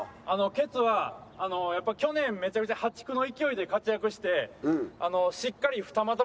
ケツはやっぱり去年めちゃめちゃ破竹の勢いで活躍してあのしっかり２股もしてるので。